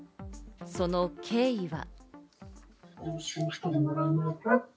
その経緯は。